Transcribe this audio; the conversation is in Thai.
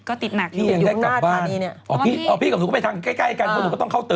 ก็นั่นแหละเรียนนั่นแหละค่ะ